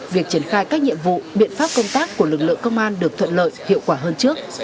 việc triển khai các nhiệm vụ biện pháp công tác của lực lượng công an được thuận lợi hiệu quả hơn trước